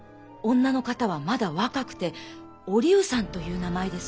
女の方はまだ若くて「おりうさん」という名前です。